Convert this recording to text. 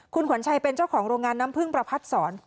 คุณขวัญชัยเป็นเจ้าของโรงงานน้ำพึ่งประพัดศร